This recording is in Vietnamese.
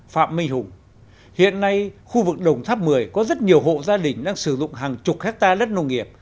phạm minh hùng hiện nay khu vực đồng tháp một mươi có rất nhiều hộ gia đình đang sử dụng hàng chục hectare đất nông nghiệp